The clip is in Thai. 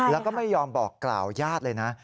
แล้วก็ไม่ยอมบอกกล่าวญาติเลยนะ